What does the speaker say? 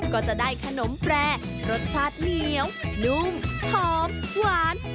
ก็จะได้ขนมแปรรสชาติเหนียวนุ่มหอมหวาน